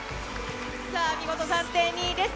見事、暫定２位です。